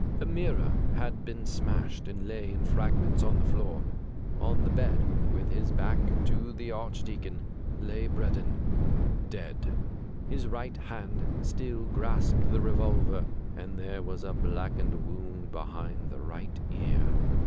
A mirror had been smashed, and lay in fragments on the floor. On the bed, with his back to the 183 THE GRAY CAT Archdeacon, lay Breddon, dead. His right hand still grasped the revolver, and there was a blackened wound behind the right ear.